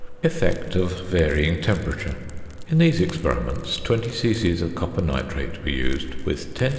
~Effect of Varying Temperature.~ In these experiments 20 c.c. of copper nitrate were used, with 10 c.c.